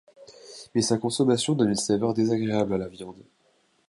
Mais sa consommation donne une saveur désagréable à la viande.